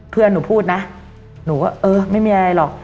เพื่อนหนูพูดนะหนูก็เออไม่มีอะไรหรอก